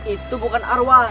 itu bukan arwah